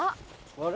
あれ？